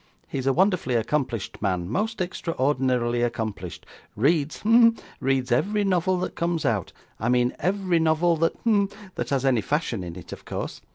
He is a wonderfully accomplished man most extraordinarily accomplished reads hem reads every novel that comes out; I mean every novel that hem that has any fashion in it, of course.